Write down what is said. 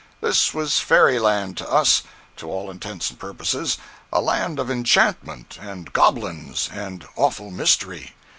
This was fairy land to us, to all intents and purposes—a land of enchantment, and goblins, and awful mystery.